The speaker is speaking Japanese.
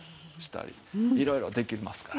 いろいろできますから。